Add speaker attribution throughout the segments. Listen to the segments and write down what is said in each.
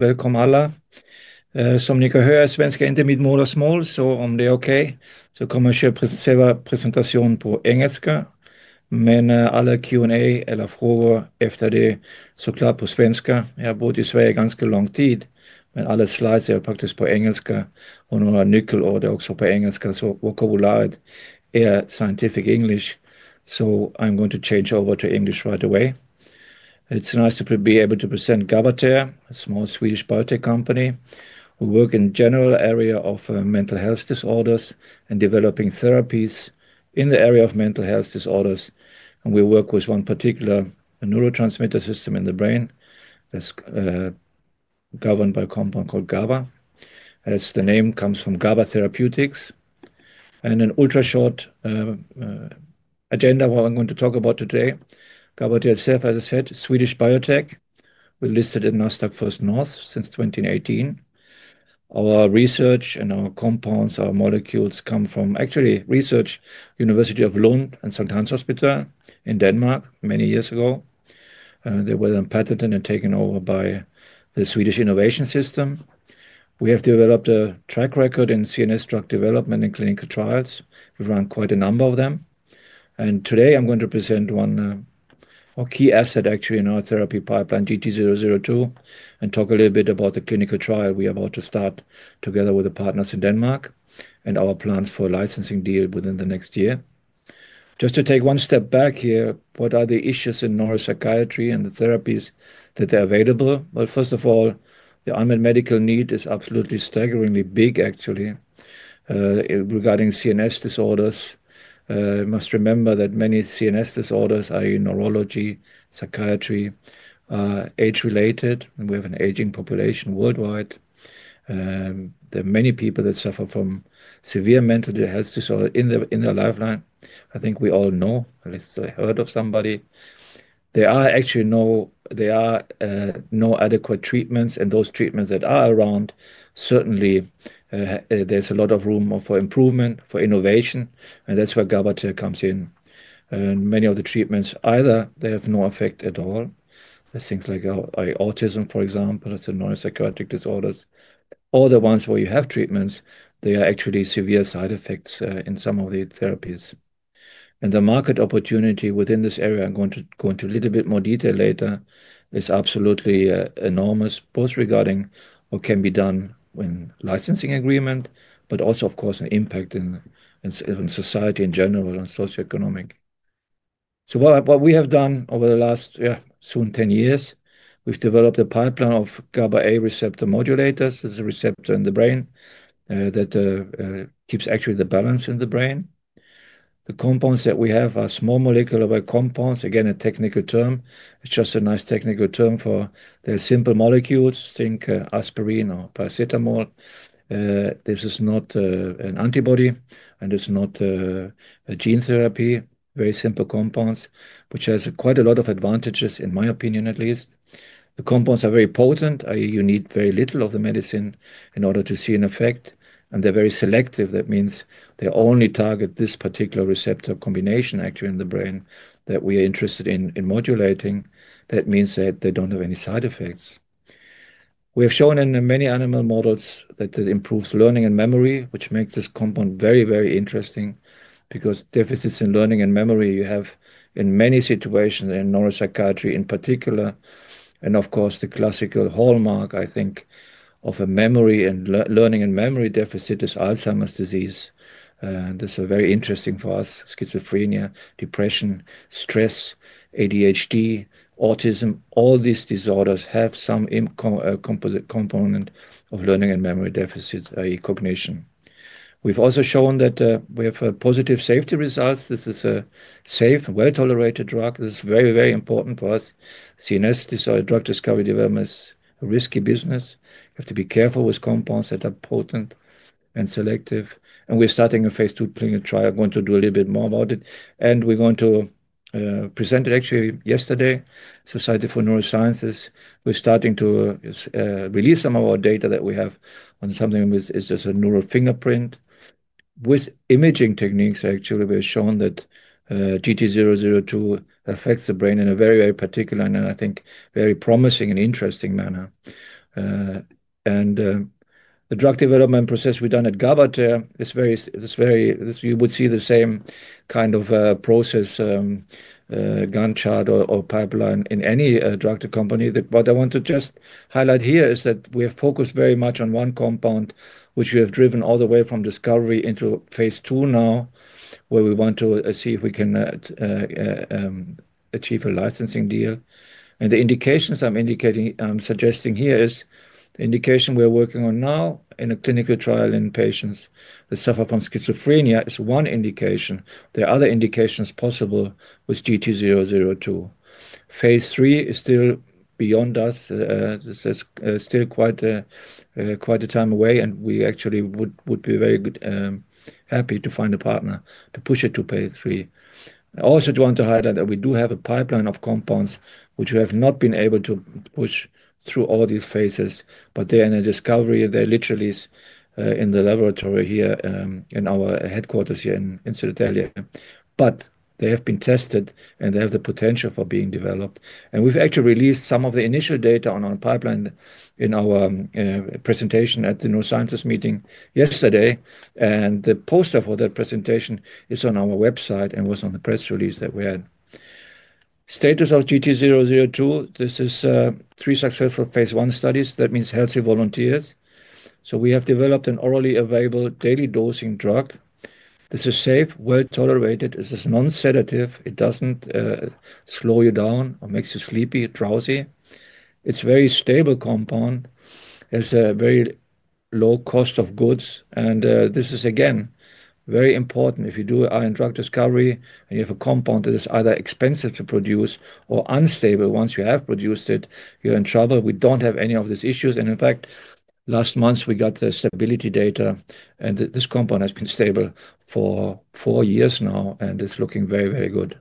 Speaker 1: Välkomna alla. Som ni kan höra, svenska är inte mitt modersmål, så om det är okej så kommer jag att köra själva presentationen på engelska. Men alla Q&A eller frågor efter det är såklart på svenska. Jag har bott i Sverige ganska lång tid, men alla slides är faktiskt på engelska, och några nyckelord är också på engelska, så vokabuläret är scientific English, so I'm going to change over to English right away. It's nice to be able to present Gabather, a small Swedish biotech company. We work in the general area of mental health disorders and developing therapies in the area of mental health disorders. We work with one particular neurotransmitter system in the brain that's governed by a compound called GABA. As the name comes from GABA Therapeutics. An ultra-short agenda of what I'm going to talk about today. Gabather itself, as I said, Swedish biotech. We're listed in Nasdaq First North since 2018. Our research and our compounds, our molecules come from actually research at Lund University and Sankt Hans Hospital in Denmark many years ago. They were then patented and taken over by the Swedish Innovation System. We have developed a track record in CNS drug development and clinical trials. We've run quite a number of them. Today I'm going to present one key asset actually in our therapy pipeline, GT002, and talk a little bit about the clinical trial we are about to start together with the partners in Denmark and our plans for a licensing deal within the next year. Just to take one step back here, what are the issues in neuropsychiatry and the therapies that are available? First of all, the unmet medical need is absolutely staggeringly big actually regarding CNS disorders. We must remember that many CNS disorders, i.e., neurology, psychiatry, are age-related, and we have an aging population worldwide. There are many people that suffer from severe mental health disorders in their lifeline. I think we all know, at least I heard of somebody. There are actually no adequate treatments, and those treatments that are around, certainly there's a lot of room for improvement, for innovation, and that's where Gabather comes in. Many of the treatments either have no effect at all. There's things like autism, for example, as the neuropsychiatric disorders. All the ones where you have treatments, they are actually severe side effects in some of the therapies. The market opportunity within this area, I'm going to go into a little bit more detail later, is absolutely enormous, both regarding what can be done when licensing agreement, but also, of course, the impact in society in general and socioeconomic. What we have done over the last, yeah, soon 10 years, we've developed a pipeline of GABA A receptor modulators. This is a receptor in the brain that keeps actually the balance in the brain. The compounds that we have are small molecular compounds. Again, a technical term. It's just a nice technical term for the simple molecules. Think aspirin or paracetamol. This is not an antibody, and it's not a gene therapy. Very simple compounds, which has quite a lot of advantages, in my opinion at least. The compounds are very potent. You need very little of the medicine in order to see an effect, and they're very selective. That means they only target this particular receptor combination actually in the brain that we are interested in modulating. That means that they don't have any side effects. We have shown in many animal models that it improves learning and memory, which makes this compound very, very interesting because deficits in learning and memory you have in many situations in neuropsychiatry in particular. The classical hallmark, I think, of a memory and learning and memory deficit is Alzheimer's disease. This is very interesting for us: schizophrenia, depression, stress, ADHD, autism. All these disorders have some component of learning and memory deficits, i.e., cognition. We've also shown that we have positive safety results. This is a safe, well-tolerated drug. This is very, very important for us. CNS drug discovery development is a risky business. You have to be careful with compounds that are potent and selective. We're starting a phase two clinical trial. I'm going to do a little bit more about it. We're going to present it actually yesterday. Society for Neuroscience, we're starting to release some of our data that we have on something that is just a neural fingerprint. With imaging techniques, actually, we've shown that GT002 affects the brain in a very, very particular and I think very promising and interesting manner. The drug development process we've done at Gabather, it's very, you would see the same kind of process, gun chart or pipeline in any drug company. I want to just highlight here is that we have focused very much on one compound, which we have driven all the way from discovery into phase II now, where we want to see if we can achieve a licensing deal. The indications I'm indicating, I'm suggesting here is the indication we're working on now in a clinical trial in patients that suffer from schizophrenia is one indication. There are other indications possible with GT002. Phase III is still beyond us. This is still quite a time away, and we actually would be very happy to find a partner to push it to phase three. I also want to highlight that we do have a pipeline of compounds which we have not been able to push through all these phases, but they're in discovery. They're literally in the laboratory here in our headquarters here in Södertälje. They have been tested, and they have the potential for being developed. We have actually released some of the initial data on our pipeline in our presentation at the Neurosciences meeting yesterday. The poster for that presentation is on our website and was on the press release that we had. Status of GT002, this is three successful phase I studies. That means healthy volunteers. We have developed an orally available daily dosing drug. This is safe, well-tolerated. This is non-sedative. It does not slow you down or make you sleepy, drowsy. It is a very stable compound. It has a very low cost of goods. This is, again, very important. If you do a drug discovery and you have a compound that is either expensive to produce or unstable, once you have produced it, you are in trouble. We do not have any of these issues. In fact, last month we got the stability data, and this compound has been stable for four years now, and it's looking very, very good.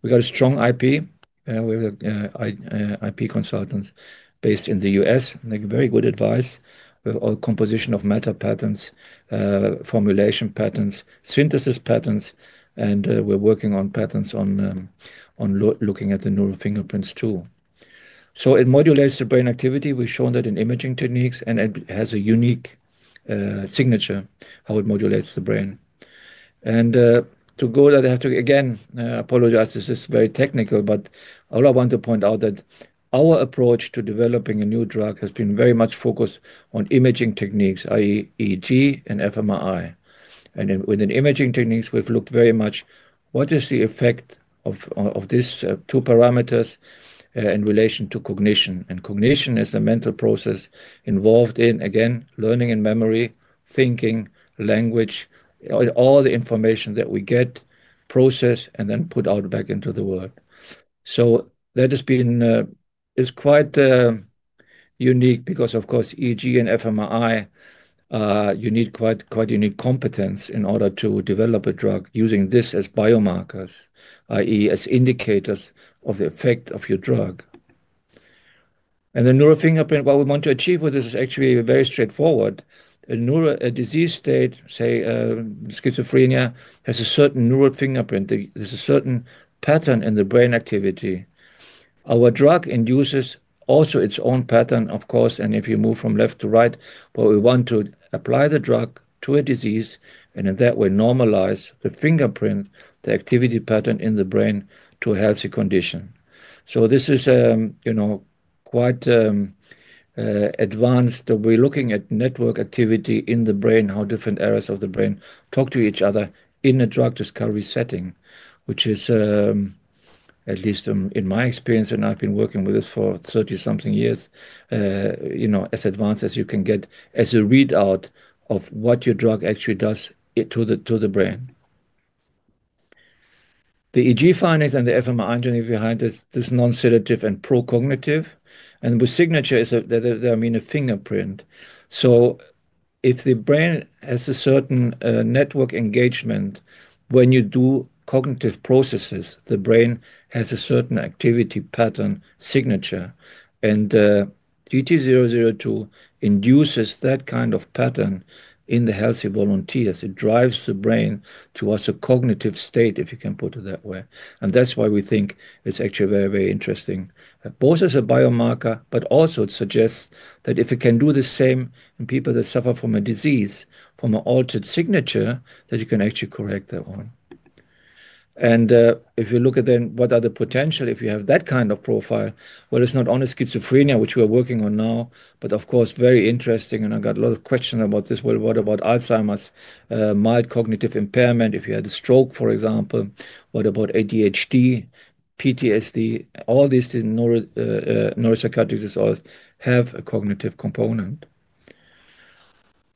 Speaker 1: We got a strong IP. We have IP consultants based in the U.S. And they give very good advice with all composition of matter patents, formulation patents, synthesis patents, and we're working on patents on looking at the neural fingerprints too. It modulates the brain activity. We've shown that in imaging techniques, and it has a unique signature how it modulates the brain. To go there, I have to again apologize. This is very technical, but all I want to point out is that our approach to developing a new drug has been very much focused on imaging techniques, i.e., EEG and fMRI. Within imaging techniques, we've looked very much at what is the effect of these two parameters in relation to cognition. Cognition is a mental process involved in, again, learning and memory, thinking, language, all the information that we get, process, and then put out back into the world. That has been quite unique because, of course, EEG and fMRI, you need quite unique competence in order to develop a drug using this as biomarkers, i.e., as indicators of the effect of your drug. The neural fingerprint, what we want to achieve with this is actually very straightforward. A disease state, say schizophrenia, has a certain neural fingerprint. There is a certain pattern in the brain activity. Our drug induces also its own pattern, of course, and if you move from left to right, but we want to apply the drug to a disease and in that way, normalize the fingerprint, the activity pattern in the brain to a healthy condition. This is quite advanced. We're looking at network activity in the brain, how different areas of the brain talk to each other in a drug discovery setting, which is, at least in my experience, and I've been working with this for 30-something years, as advanced as you can get as a readout of what your drug actually does to the brain. The EEG findings and the fMRI engineering behind this, this non-sedative and pro-cognitive, and with signature is that I mean a fingerprint. If the brain has a certain network engagement when you do cognitive processes, the brain has a certain activity pattern signature. GT002 induces that kind of pattern in the healthy volunteers. It drives the brain towards a cognitive state, if you can put it that way. That's why we think it's actually very, very interesting, both as a biomarker, but also it suggests that if it can do the same in people that suffer from a disease from an altered signature, that you can actually correct that one. If you look at then, what are the potential if you have that kind of profile? It's not only schizophrenia, which we're working on now, but of course, very interesting. I got a lot of questions about this. What about Alzheimer's, mild cognitive impairment if you had a stroke, for example? What about ADHD, PTSD? All these neuropsychiatric disorders have a cognitive component.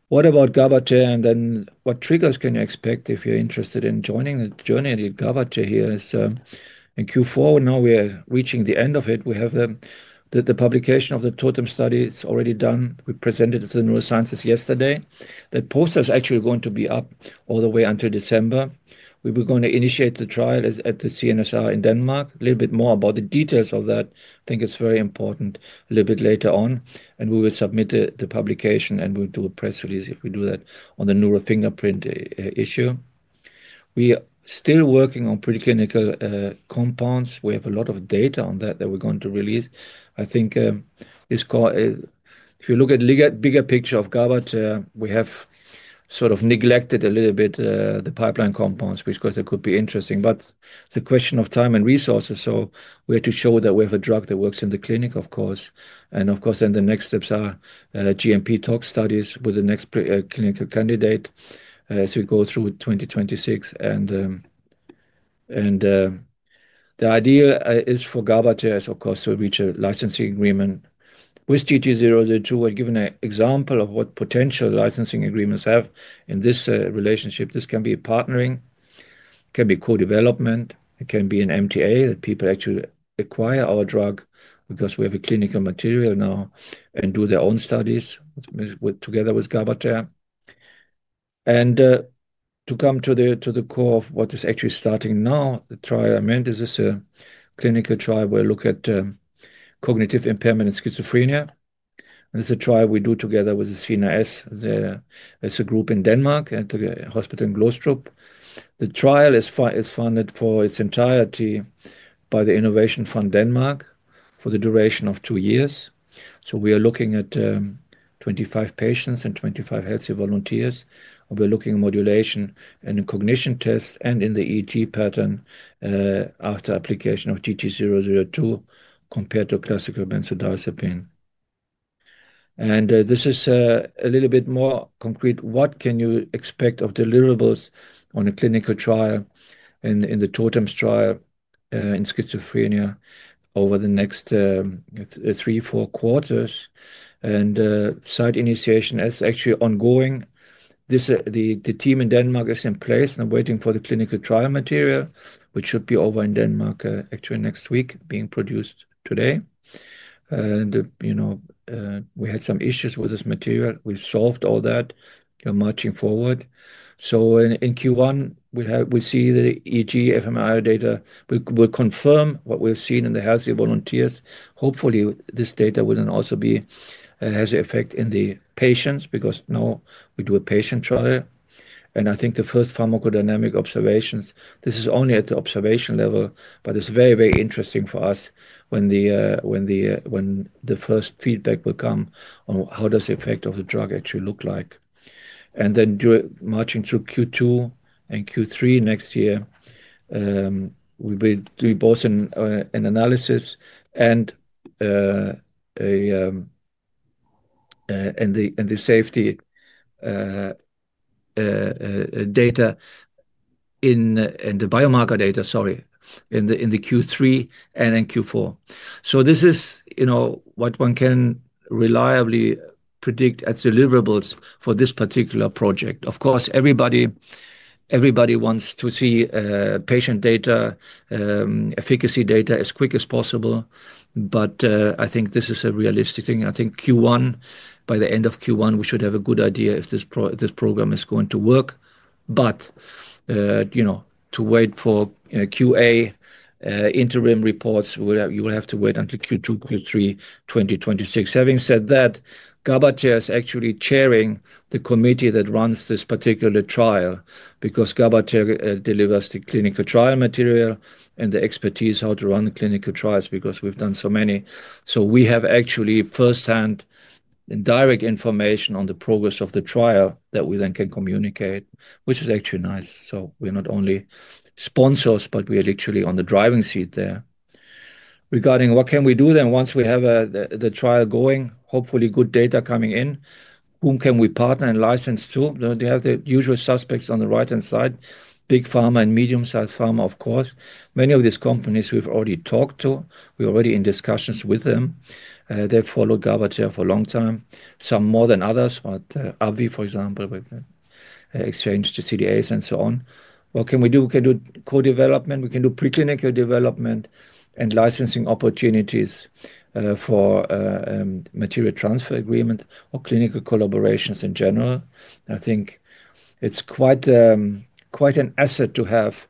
Speaker 1: What about Gabather? What triggers can you expect if you're interested in joining the journey of Gabather here? In Q4, we know we're reaching the end of it. We have the publication of the TOTEMS study. It's already done. We presented it to the neurosciences yesterday. That poster is actually going to be up all the way until December. We were going to initiate the trial at the CNSR in Denmark. A little bit more about the details of that, I think it's very important a little bit later on. We will submit the publication and we'll do a press release if we do that on the neural fingerprint issue. We are still working on preclinical compounds. We have a lot of data on that that we're going to release. I think if you look at the bigger picture of Gabather, we have sort of neglected a little bit the pipeline compounds, which could be interesting. It is a question of time and resources. We have to show that we have a drug that works in the clinic, of course. Of course, the next steps are GMP tox studies with the next clinical candidate as we go through 2026. The idea for Gabather is, of course, to reach a licensing agreement with GT002. We're given an example of what potential licensing agreements have in this relationship. This can be partnering, can be co-development, it can be an MTA that people actually acquire our drug because we have a clinical material now and do their own studies together with Gabather. To come to the core of what is actually starting now, the trial I meant, this is a clinical trial where we look at cognitive impairment in schizophrenia. It is a trial we do together with the CNRS, there's a group in Denmark at the hospital in Glostrup. The trial is funded for its entirety by the Innovation Fund Denmark for the duration of two years. We are looking at 25 patients and 25 healthy volunteers. We're looking at modulation and cognition tests and in the EEG pattern after application of GT002 compared to classical benzodiazepine. This is a little bit more concrete. What can you expect of deliverables on a clinical trial in the TOTEMS trial in schizophrenia over the next three, four quarters? Site initiation is actually ongoing. The team in Denmark is in place and waiting for the clinical trial material, which should be over in Denmark actually next week, being produced today. We had some issues with this material. We've solved all that. We're marching forward. In Q1, we see the EEG, fMRI data. We'll confirm what we've seen in the healthy volunteers. Hopefully, this data will also have an effect in the patients because now we do a patient trial. I think the first pharmacodynamic observations, this is only at the observation level, but it's very, very interesting for us when the first feedback will come on how does the effect of the drug actually look like. Marching through Q2 and Q3 next year, we'll be doing both an analysis and the safety data in the biomarker data, sorry, in Q3 and in Q4. This is what one can reliably predict as deliverables for this particular project. Of course, everybody wants to see patient data, efficacy data as quick as possible. I think this is a realistic thing. I think Q1, by the end of Q1, we should have a good idea if this program is going to work. To wait for QA interim reports, you will have to wait until Q2, Q3, 2026. Having said that, Gabather is actually chairing the committee that runs this particular trial because Gabather delivers the clinical trial material and the expertise how to run clinical trials because we've done so many. We have actually firsthand and direct information on the progress of the trial that we then can communicate, which is actually nice. We're not only sponsors, but we are literally on the driving seat there. Regarding what can we do then once we have the trial going, hopefully good data coming in, whom can we partner and license to? They have the usual suspects on the right-hand side, big pharma and medium-sized pharma, of course. Many of these companies we've already talked to. We're already in discussions with them. They've followed Gabather for a long time, some more than others, but AbbVie, for example, we've exchanged the CDAs and so on. What can we do? We can do co-development. We can do preclinical development and licensing opportunities for material transfer agreement or clinical collaborations in general. I think it's quite an asset to have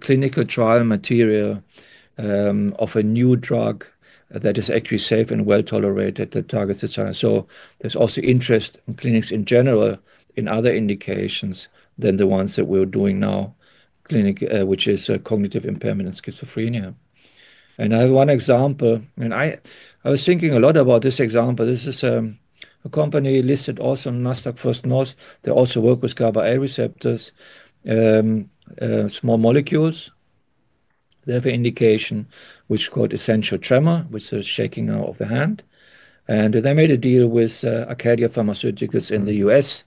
Speaker 1: clinical trial material of a new drug that is actually safe and well tolerated that targets the trial. There is also interest in clinics in general in other indications than the ones that we're doing now, which is cognitive impairment and schizophrenia. I have one example. I was thinking a lot about this example. This is a company listed also on Nasdaq First North. They also work with GABA A receptors, small molecules. They have an indication which is called essential tremor, which is shaking of the hand. They made a deal with Arcadia Pharmaceuticals in the U.S.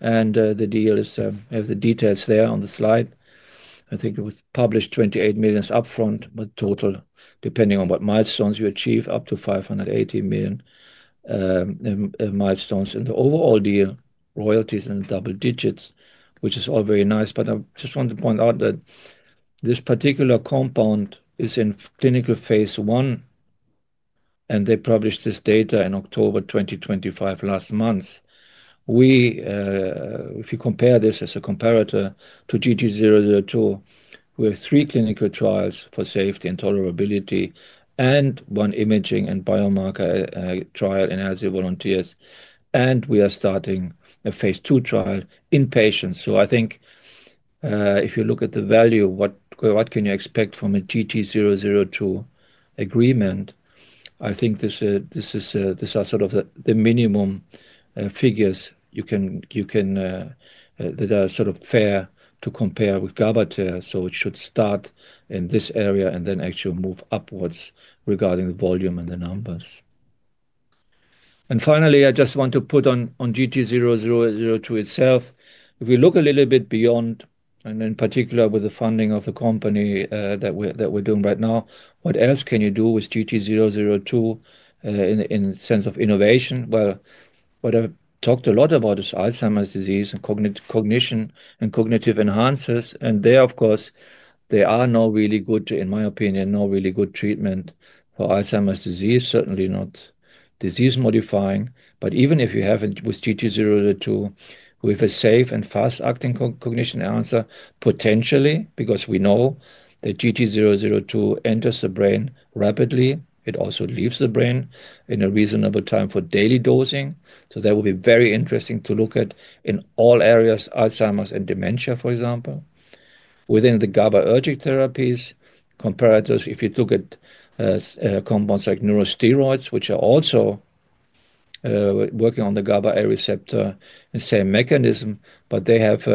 Speaker 1: The deal is, I have the details there on the slide. I think it was published $28 million upfront, but total depending on what milestones you achieve, up to $580 million milestones in the overall deal, royalties in double digits, which is all very nice. I just want to point out that this particular compound is in clinical phase I, and they published this data in October 2023, last month. If you compare this as a comparator to GT002, we have three clinical trials for safety and tolerability and one imaging and biomarker trial in healthy volunteers. We are starting a phase II trial in patients. I think if you look at the value, what can you expect from a GT002 agreement? I think these are sort of the minimum figures that are sort of fair to compare with Gabather. It should start in this area and then actually move upwards regarding the volume and the numbers. Finally, I just want to put on GT002 itself. If we look a little bit beyond, and in particular with the funding of the company that we're doing right now, what else can you do with GT002 in the sense of innovation? What I've talked a lot about is Alzheimer's disease and cognition and cognitive enhancers. There, of course, there are no really good, in my opinion, no really good treatment for Alzheimer's disease, certainly not disease-modifying. Even if you have it with GT002, with a safe and fast-acting cognition enhancer, potentially, because we know that GT002 enters the brain rapidly, it also leaves the brain in a reasonable time for daily dosing. That will be very interesting to look at in all areas, Alzheimer's and dementia, for example, within the GABAergic therapies, comparators. If you look at compounds like neurosteroids, which are also working on the GABA A receptor, the same mechanism, but they have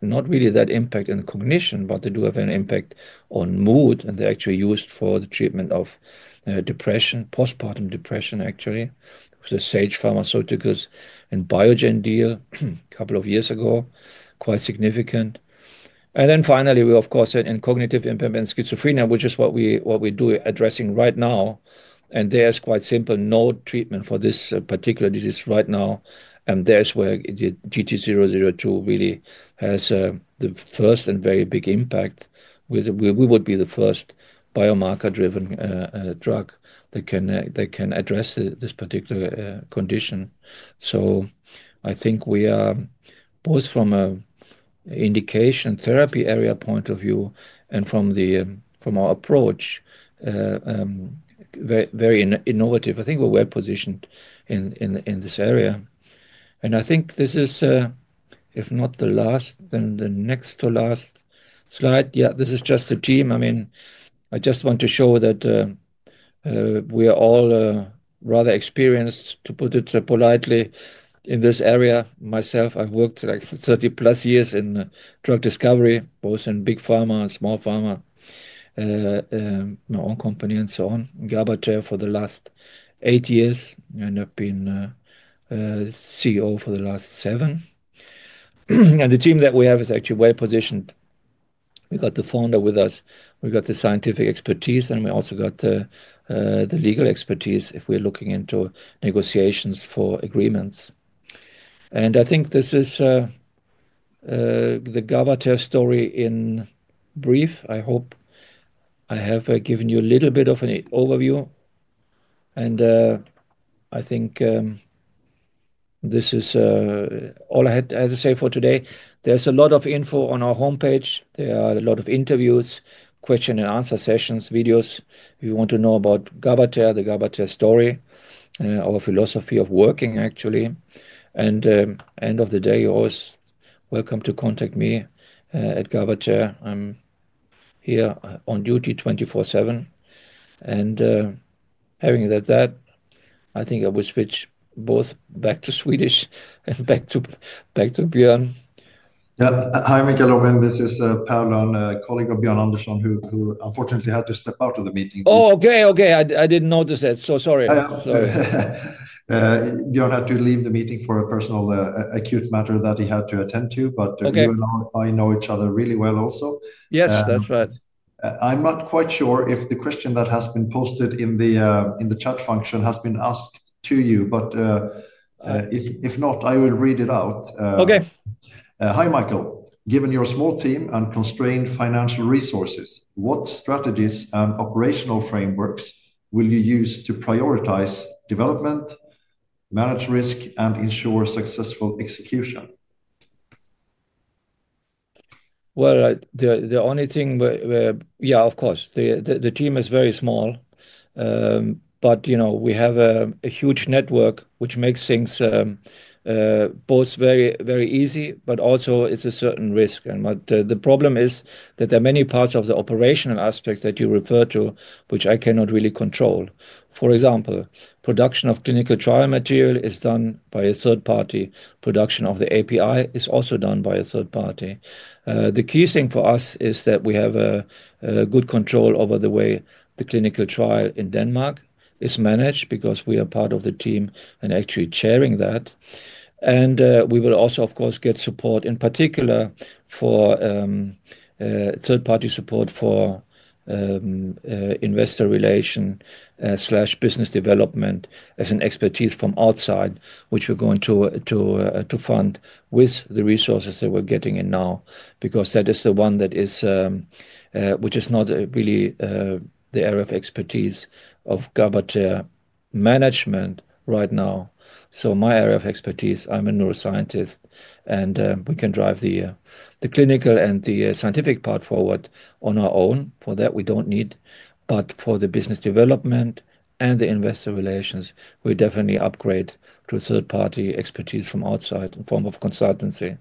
Speaker 1: not really that impact on cognition, but they do have an impact on mood, and they're actually used for the treatment of depression, postpartum depression, actually, with the Sage Therapeutics and Biogen deal a couple of years ago, quite significant. Finally, of course, in cognitive impairment and schizophrenia, which is what we're addressing right now. There is quite simply no treatment for this particular disease right now. That is where GT002 really has the first and very big impact. We would be the first biomarker-driven drug that can address this particular condition. I think we are both from an indication therapy area point of view and from our approach, very innovative. I think we're well positioned in this area. I think this is, if not the last, then the next to last slide. Yeah, this is just the team. I mean, I just want to show that we are all rather experienced, to put it politely, in this area. Myself, I've worked like 30 plus years in drug discovery, both in big pharma and small pharma, my own company and so on, Gabather for the last eight years, and I've been CEO for the last seven. The team that we have is actually well-positioned. We got the founder with us. We got the scientific expertise, and we also got the legal expertise if we're looking into negotiations for agreements. I think this is the Gabather story in brief. I hope I have given you a little bit of an overview. I think this is all I had to say for today. There's a lot of info on our homepage. There are a lot of interviews, question-and-answer sessions, videos. If you want to know about Gabather, the Gabather story, our philosophy of working, actually. At the end of the day, you're always welcome to contact me at Gabather. I'm here on duty 24/7. Having said that, I think I will switch both back to Swedish and back to Björn.
Speaker 2: Yep. Hi, Michael-Robin. This is Pavelan, a colleague of Björn Andersson, who unfortunately had to step out of the meeting.
Speaker 1: Oh, okay, okay. I didn't notice that. So sorry.
Speaker 2: Björn had to leave the meeting for a personal acute matter that he had to attend to. You and I know each other really well also.
Speaker 1: Yes, that's right.
Speaker 2: I'm not quite sure if the question that has been posted in the chat function has been asked to you. If not, I will read it out.
Speaker 1: Okay.
Speaker 2: Hi, Michael. Given your small team and constrained financial resources, what strategies and operational frameworks will you use to prioritize development, manage risk, and ensure successful execution?
Speaker 1: The only thing, yeah, of course. The team is very small, but we have a huge network, which makes things both very easy, but also it's a certain risk. The problem is that there are many parts of the operational aspect that you refer to, which I cannot really control. For example, production of clinical trial material is done by a third party. Production of the API is also done by a third party. The key thing for us is that we have good control over the way the clinical trial in Denmark is managed because we are part of the team and actually chairing that. We will also, of course, get support, in particular for third-party support for investor relation/business development as an expertise from outside, which we're going to fund with the resources that we're getting in now because that is the one that is which is not really the area of expertise of Gabather management right now. My area of expertise, I'm a neuroscientist, and we can drive the clinical and the scientific part forward on our own. For that, we don't need. For the business development and the investor relations, we definitely upgrade to third-party expertise from outside in form of consultancy.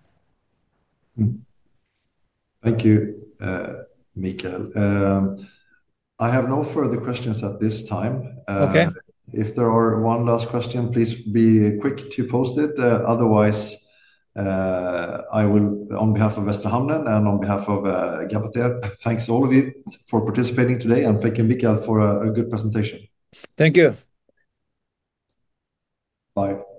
Speaker 2: Thank you, Michael. I have no further questions at this time. If there is one last question, please be quick to post it. Otherwise, I will, on behalf of Westerhamnen and on behalf of Gabather, thank all of you for participating today. Thank you, Michael, for a good presentation.
Speaker 1: Thank you.
Speaker 2: Bye.